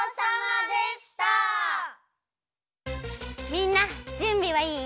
みんなじゅんびはいい？